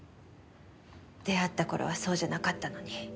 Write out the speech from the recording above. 出会った頃はそうじゃなかったのに。